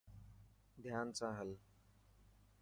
ڌيان سان هل.